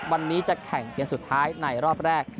วันนี้จะแข่งเกมสุดท้ายในรอบแรก